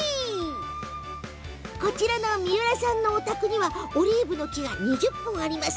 こちら三浦さんのお宅はオリーブの木が２０本あります。